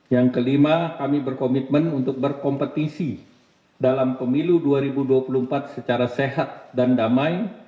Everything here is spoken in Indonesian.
yang kelima kami berkomitmen untuk berkompetisi dalam pemilu dua ribu dua puluh empat secara sehat dan damai